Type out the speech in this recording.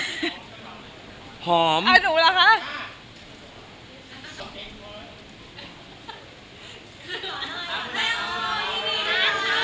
คิดก็คิดว่า